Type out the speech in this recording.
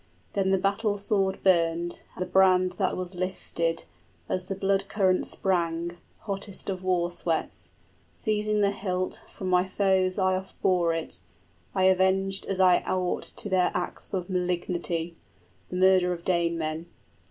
Then the battle sword burned, the brand that was lifted, As the blood current sprang, hottest of war sweats; Seizing the hilt, from my foes I offbore it; I avenged as I ought to their acts of malignity, 20 The murder of Danemen.